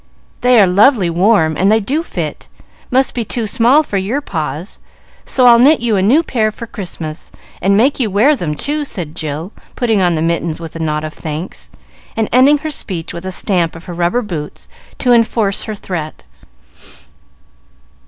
"They are lovely warm, and they do fit. Must be too small for your paws, so I'll knit you a new pair for Christmas, and make you wear them, too," said Jill, putting on the mittens with a nod of thanks, and ending her speech with a stamp of her rubber boots to enforce her threat.